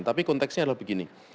tapi konteksnya adalah begini